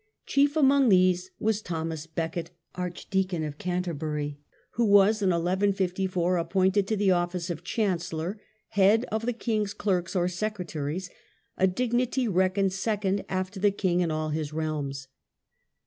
Chief among these was Thomas Becket, Arch deacon of Canterbury, who was in 11 54 appointed to the office of chancellor, head of the king's clerks or secretaries, a dignity reckoned second after the king in all his realms.